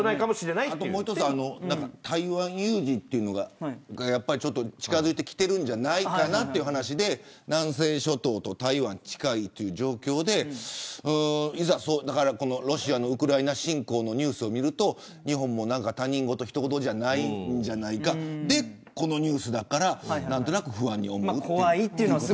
あと台湾有事というのが近づいてきてるんじゃないかなって話で南西諸島と台湾が近いという状況でロシアのウクライナ侵攻のニュースを見ると日本も他人事じゃないんじゃないかってそれでこのニュースだから何となく不安に思いますね。